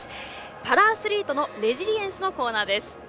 パラアスリートのレジリエンスのコーナーです。